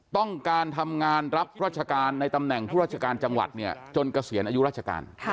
ต้องการทำงานรับราชการในตำแหน่งผู้ราชการจังหวัดเนี่ยจนเกษียณอายุราชการ